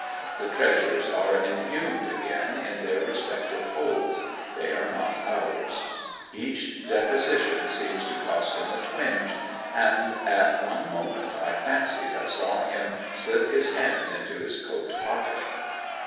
The treasures are inhumed again in their respective holes: they are not ours. Each deposition seems to cost him a twinge; and at one moment I fancied I saw him slip his hand into his coat pocket.